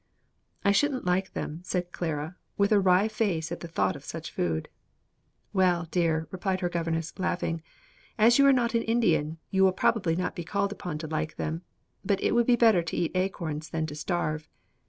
"I shouldn't like them," said Clara, with a wry face at the thought of such food. "Well, dear," replied her governess, laughing, "as you are not an Indian, you will probably not be called upon to like them; but it would be better to eat acorns than to starve.